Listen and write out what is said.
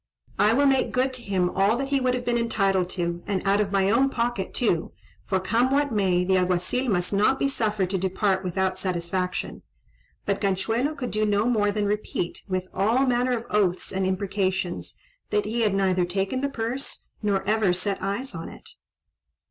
I will make good to him all that he would have been entitled to, and out of my own pocket too; for, come what may, the Alguazil must not be suffered to depart without satisfaction." But Ganchuelo could do no more than repeat, with all manner of oaths and imprecations, that he had neither taken the purse, nor ever set eyes on it.